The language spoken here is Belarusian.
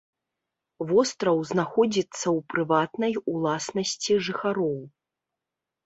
Востраў знаходзіцца ў прыватнай уласнасці жыхароў.